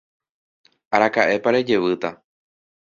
Araka'épa rejevýta.